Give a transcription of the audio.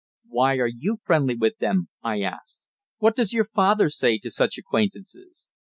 "Why are you friendly with them?" I asked. "What does your father say to such acquaintances?"